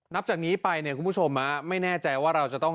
นับจากนี้ไปเนี่ยคุณผู้ชมไม่แน่ใจว่าเราจะต้อง